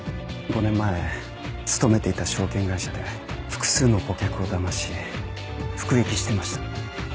５年前勤めていた証券会社で複数の顧客をだまし服役してました。